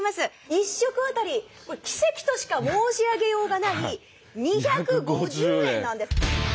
１食当たりこれ奇跡としか申し上げようがない２５０円なんです。